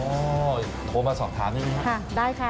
โอ้โฮโทรมา๒ทางได้ไหมครับ